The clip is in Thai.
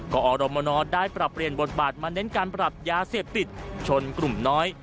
ก็อรมนได้ปรับเปลี่ยนบทบาทมาเน้นการปรับยาเสพติดชนกลุ่มน้อย